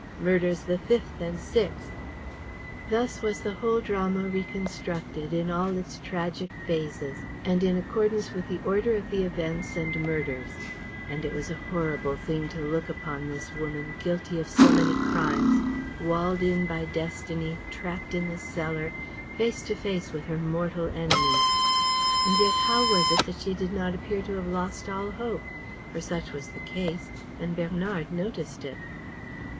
Murders the fifth and sixth." Thus was the whole drama reconstructed in all its tragic phases and in accordance with the order of the events and murders. And it was a horrible thing to look upon this woman, guilty of so many crimes, walled in by destiny, trapped in this cellar, face to face with her mortal enemies. And yet how was it that she did not appear to have lost all hope? For such was the case; and Bernard noticed it.